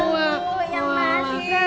kamu yang masak